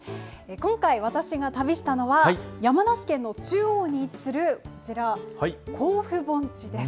今回、私が旅したのは、山梨県の中央に位置するこちら、甲府盆地です。